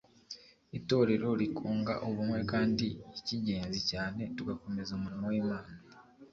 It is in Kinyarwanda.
itorero rikunga ubumwe kandi ik'ingenzi cyane tugakomeza umurimo w'imana